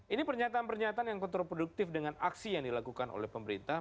ini pernyataan pernyataan yang kontraproduktif dengan aksi yang dilakukan oleh pemerintah